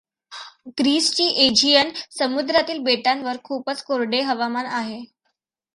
ग्रीसची Aegean समुद्रातील बेटांवर खूपच कोरडे हवामान आहे.